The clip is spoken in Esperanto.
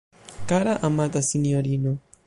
Kara, amata sinjorino!